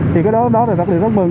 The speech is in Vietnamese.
thì cái đó là đặc biệt rất mừng